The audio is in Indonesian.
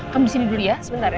kamu di sini dulu ya sebentar ya